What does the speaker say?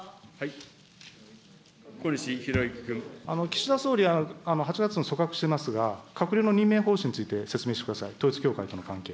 岸田総理、８月に組閣していますが、閣僚の任命方針について説明してください、統一教会との関係。